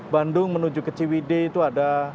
bandung menuju ke ciwide itu ada